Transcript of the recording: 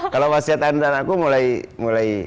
kalau wasiat anak anakku mulai dua ribu sepuluh